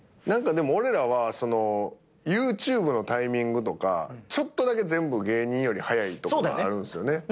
何かでも俺らはＹｏｕＴｕｂｅのタイミングとかちょっとだけ全部芸人より早いとこがあるんすよね。